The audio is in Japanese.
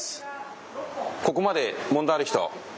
ここまで問題ある人。